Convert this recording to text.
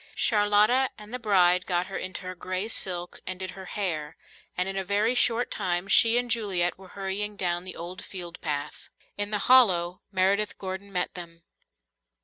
Charlotta and the bride got her into her grey silk and did her hair, and in a very short time she and Juliet were hurrying down the old field path. In the hollow Meredith Gordon met them.